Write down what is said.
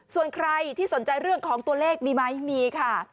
ส่วนใครที่สนใจเรื่องของตัวเลขมีไหมมีค่ะ